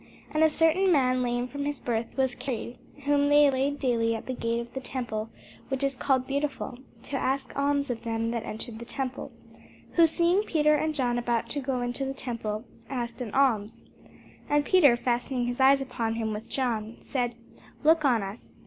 And a certain man lame from his birth was carried, whom they laid daily at the gate of the temple which is called Beautiful, to ask alms of them that entered into the temple; who seeing Peter and John about to go into the temple asked an alms. And Peter, fastening his eyes upon him with John, said, Look on us.